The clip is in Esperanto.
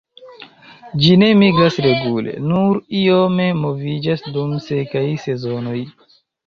Ĝi ne migras regule, nur iome moviĝas dum sekaj sezonoj.